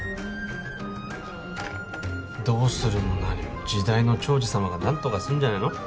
どうするも何も時代の寵児様が何とかするんじゃないの？